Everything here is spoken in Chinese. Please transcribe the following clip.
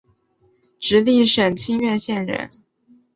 直隶省清苑县人。